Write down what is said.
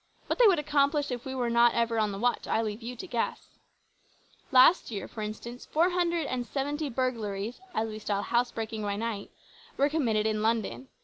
What they would accomplish if we were not ever on the watch I leave you to guess. "Last year, for instance, 470 burglaries, as we style house breaking by night, were committed in London.